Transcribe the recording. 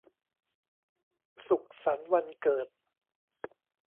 สุขสันต์วันเกิด